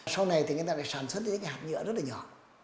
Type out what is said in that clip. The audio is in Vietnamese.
sau này thì người ta lại sản xuất những cái hạt nhựa rất là nhỏ